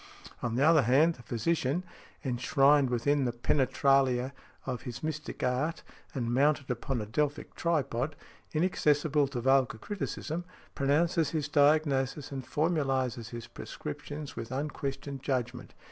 On the other hand, the physician, enshrined within the penetralia of his mystic art, and mounted upon a Delphic tripod, inaccessible to vulgar criticism, pronounces his diagnosis and formulizes his prescriptions with unquestioned judgment.